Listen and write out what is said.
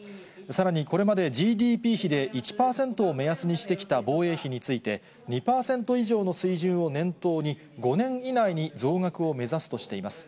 さらにこれまで、ＧＤＰ比で１％を目安にしてきた防衛費について、２％以上の水準を念頭に、５年以内に増額を目指すとしています。